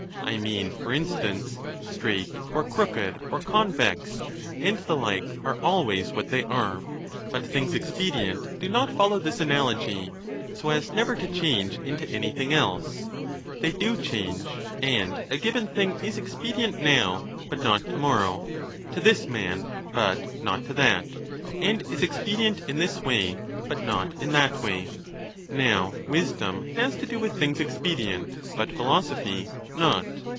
I mean, for instance, straight or crooked or convex and the like are always what they are, but things expedient do not follow this analogy, so as never to change into anything else ; they do change, and a given thing is expedient now, but not to morrow, to this man but not to that, and is I197'' expedient in this way, but not in that way. Now wisdom has to do with things expedient, but philosophy not.